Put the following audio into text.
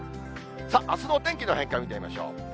さあ、あすのお天気の変化、見てみましょう。